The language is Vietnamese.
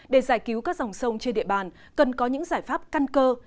để giải cứu các dòng sông trên địa bàn cần có những giải pháp căn cơ